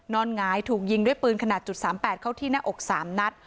หงายถูกยิงด้วยปืนขนาด๓๘เข้าที่หน้าอก๓นัด